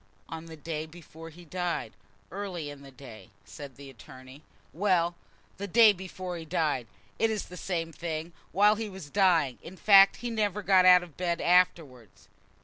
"On the day before he died, early in the day," said the attorney. "Well, the day before he died; it is the same thing, while he was dying, in fact. He never got out of bed afterwards."